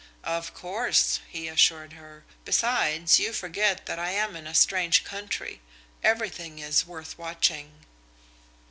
"Of course," he assured her. "Besides, you forget that I am in a strange country. Everything is worth watching."